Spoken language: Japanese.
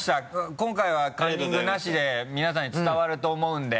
今回はカンニングなしで皆さんに伝わると思うんで。